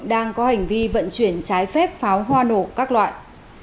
đang có hành vi vận chuyển trái phép pháo hoa nổ các loại